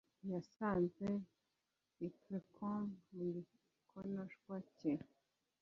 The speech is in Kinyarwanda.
Yasanze leprechaun mugikonoshwa cye.